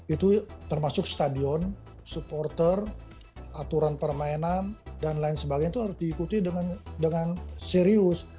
itu termasuk stadion supporter aturan permainan dan lain sebagainya itu harus diikuti dengan serius